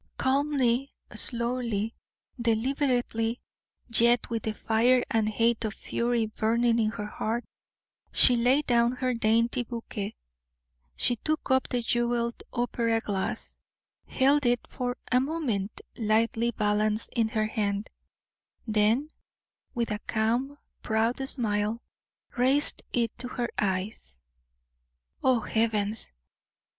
Calmly, slowly, deliberately, yet with the fire and hate of fury burning in her heart, she laid down her dainty bouquet; she took up the jeweled opera glass, held it for a moment lightly balanced in her hand, then, with a calm, proud smile, raised it to her eyes. Oh, heavens!